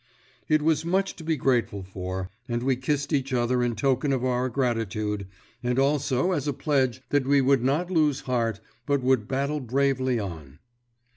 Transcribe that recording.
It was much to be grateful for, and we kissed each other in token of our gratitude, and also as a pledge that we would not lose heart, but would battle bravely on.